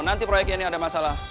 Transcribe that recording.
nanti nanti proyeknya ini ada masalah